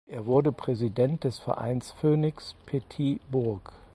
Er wurde Präsident des Vereins Phoenix Petit Bourg.